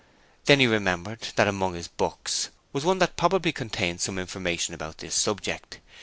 Then he remembered that among his books was one that probably contained some information about this subject.